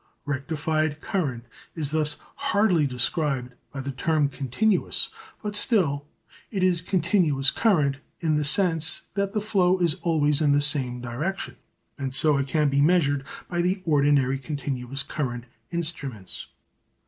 Rectified current is thus hardly described by the term continuous, but still it is "continuous current" in the sense that the flow is always in the same direction, and so it can be measured by the ordinary continuous current instruments.